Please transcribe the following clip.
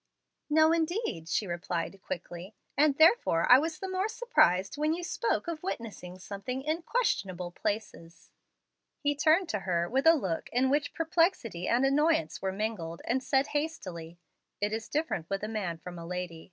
"No, indeed," she replied quickly, "and therefore I was the more surprised when you spoke of witnessing something in 'questionable places.'" He turned to her with a look in which perplexity and annoyance were mingled, and said hastily: "It is different with a man from a lady.